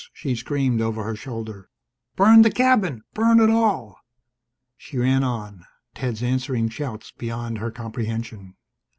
she screamed over her shoulder. "Burn the cabin! Burn it all!" She ran on, Ted's answering shouts beyond her comprehension.